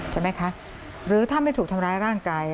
ใช่ไหมคะหรือถ้าไม่ถูกทำร้ายร่างกาย